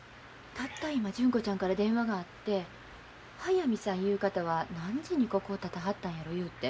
たった今純子ちゃんから電話があって速水さんいう方は何時にここをたたはったんやろ言うて。